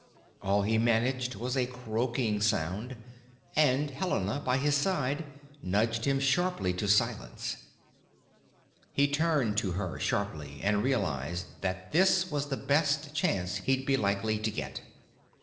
All he managed was a croaking sound; and Helena, by his side, nudged him sharply to silence. He turned to her sharply, and realized that this was the best chance he'd be likely to get.